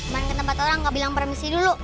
main ke tempat orang gak bilang permisi dulu